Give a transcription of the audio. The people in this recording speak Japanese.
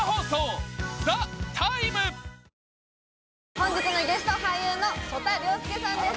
本日のゲストは俳優の曽田陵介さんです